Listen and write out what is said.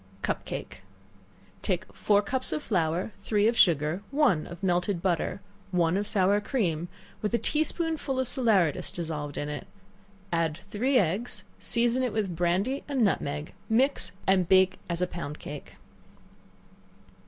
Cup Cake. Take four cups of flour, three of sugar, one of melted butter, one of sour cream, with a tea spoonful of salaeratus dissolved in it, and three eggs; season it with brandy and nutmeg; mix, and bake it as pound cake.